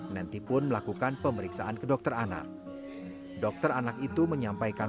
nenty pun melakukan pemeriksaan ke dokter anak dokter anak itu menyampaikan